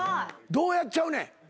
どうやっちゃう？